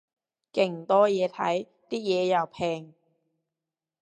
勁多嘢睇，啲嘢又平